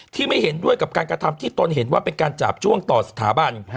ไม่เห็นด้วยกับการกระทำที่ตนเห็นว่าเป็นการจาบจ้วงต่อสถาบัน